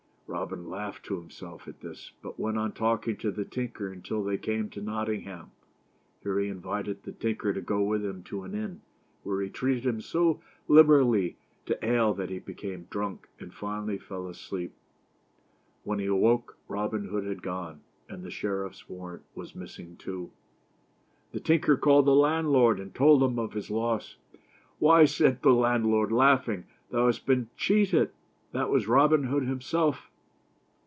Robin laughed to himself at this, but went on talking to the tinker until they came to Nottingham. Here he invited the tinker to go with him to an inn, where he treated him so liberally to ale that he became drunk, and finally, fell asleep. When he awoke, Robin Hood had gone, and the sheriffs warrant was missing too. The tinker called the landlord, and told him of his loss. " Why," said the landlord, laughing, "thou hast been cheated; that was Robin Hood himself."